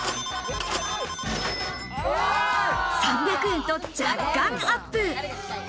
３００円と若干アップ。